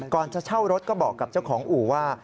ก่อนจะเช่ารถก็บอกกับเจ้าของอู่ว่า